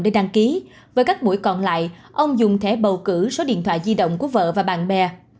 để đăng ký với các buổi còn lại ông dùng thẻ bầu cử số điện thoại di động của vợ và bạn bè